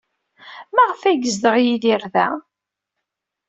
Maɣef ay yezdeɣ Yidir da?